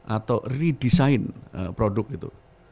atau redesign produk itu